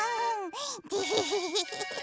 デヘヘヘ。